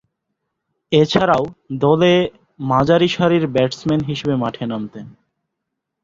এছাড়াও দলে মাঝারি সারির ব্যাটসম্যান হিসেবে মাঠে নামতেন।